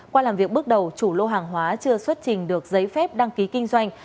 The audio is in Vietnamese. qua làm việc bước đầu chủ lô hàng hóa chưa xuất trình được giấy phép đăng ký kinh doanh